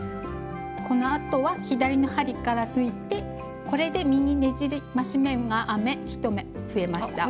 このあとは左の針から抜いてこれで「右ねじり増し目」が編め１目増えました。